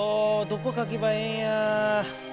どこかけばええんや？